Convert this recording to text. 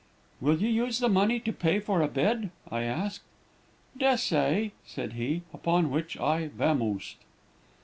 "'Will you use that money to pay for a bed?' I asked. "'Des'say,' said he, upon which I vamosed."